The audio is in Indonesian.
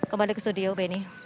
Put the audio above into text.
kembali ke studio benny